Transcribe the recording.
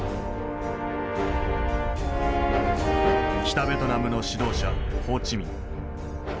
北ベトナムの指導者ホー・チ・ミン。